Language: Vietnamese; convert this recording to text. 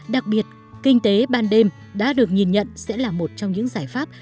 đặc biệt kinh tế ban đêm đã được nhìn nhận sẽ là một trong những giải pháp